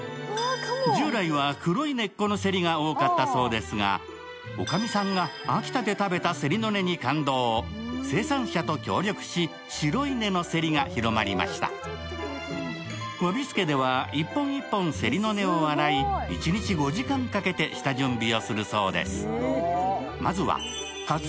従来は黒い根っこのせりが多かったそうですが女将さんが秋田で食べたせりの根に感動生産者と協力し白い根のせりが広まりました佗び助では一本一本せりの根を洗い一日５時間かけて下準備をするそうです